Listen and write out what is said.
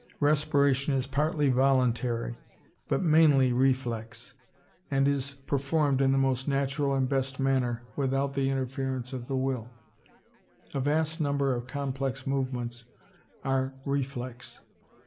Respiration is partly voluntary, but mainly reflex, and is performed in the most natural and best manner without the interference of the will. A vast number of complex movements are reflex.